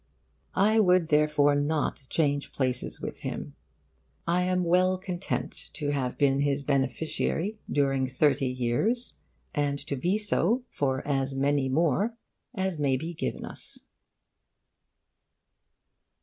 I would therefore not change places with him. I am well content to have been his beneficiary during thirty years, and to be so for as many more as may be given us.